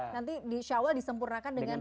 nanti insya allah disempurnakan dengan